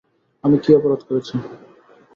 আমি কী অপরাধ করেছি?